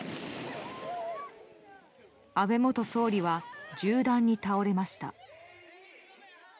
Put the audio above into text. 安倍元総理は銃弾に倒れました。